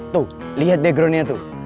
tuh liat backgroundnya tuh